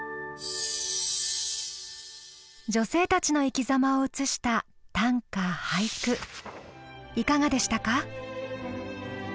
女性たちの生き様を映した短歌・俳句いかがでしたか？